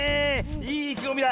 いいいきごみだ。